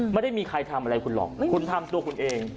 ไม่ได้มีใครทำอะไรคุณหรอกคุณทำตัวคุณเอง